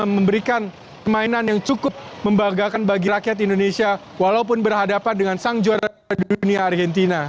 memberikan permainan yang cukup membagakan bagi rakyat indonesia walaupun berhadapan dengan sang juara dunia argentina